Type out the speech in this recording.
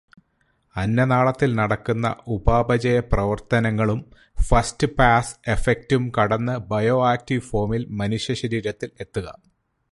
അന്നനാളത്തിൽ നടക്കുന്ന ഉപാപചയ പ്രവർത്തനങ്ങളും ഫസ്റ്റ് പാസ് എഫക്റ്റും കടന്നു ബയോആക്റ്റീവ് ഫോമിൽ മനുഷ്യശരീരത്തിൽ എത്തുക.